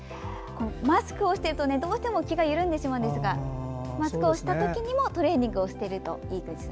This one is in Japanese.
マスクをしているとどうしても気が緩んでしまいますがマスクをしたときにもトレーニングをするといいですね。